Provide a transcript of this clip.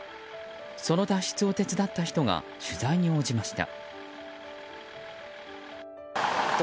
その脱出を手伝った人が取材に応じました。